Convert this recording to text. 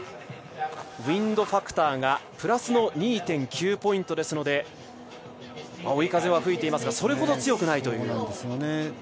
ウインドファクターがプラスの２．９ポイントですので追い風は吹いていますが、それほど強くないという。